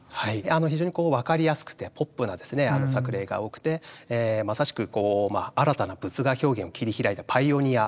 非常に分かりやすくてポップな作例が多くてまさしく新たな仏画表現を切り開いたパイオニアと言ってもいいかと思います。